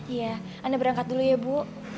iya anda berangkat dulu ya bu